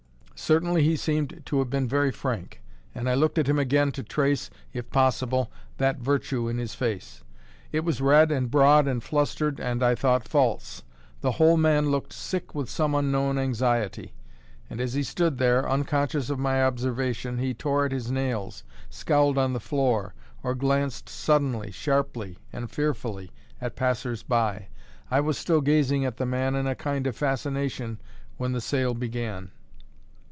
Certainly he seemed to have been very frank, and I looked at him again to trace (if possible) that virtue in his face. It was red and broad and flustered and (I thought) false. The whole man looked sick with some unknown anxiety; and as he stood there, unconscious of my observation, he tore at his nails, scowled on the floor, or glanced suddenly, sharply, and fearfully at passers by. I was still gazing at the man in a kind of fascination, when the sale began.